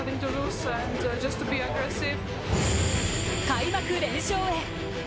開幕連勝へ。